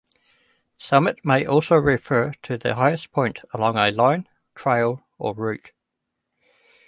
Summit may also refer to the highest point along a line, trail, or route.